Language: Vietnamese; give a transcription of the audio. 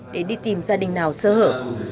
để đi tìm gia đình nào sơ hở